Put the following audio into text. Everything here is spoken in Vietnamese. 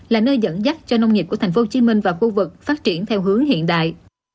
là nơi dẫn dắt cho nông nghiệp của thành phố hồ chí minh và khu vực phát triển theo hướng hiện đại